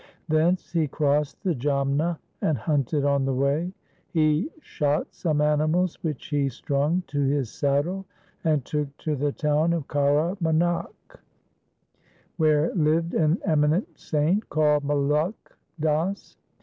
Thence he crossed the Jamna and hunted on the way. He shot some animals which he strung to his saddle and took to the town of Kara Manak, 1 where lived an eminent saint called Maluk Das.